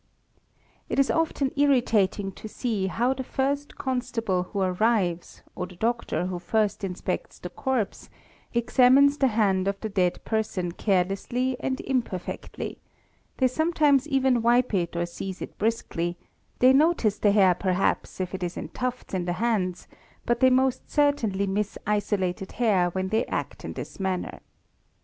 It is often irritating to see how the first constable who arrives or the doctor who first inspects the corpse, examines the hand of the dead person carelessly and imperfectly: they sometimes even wipe it or seize it briskly ; they notice the hair perhaps if it is in tufts in the hands, but _ they most certainly miss isolated hair when they act in this manner.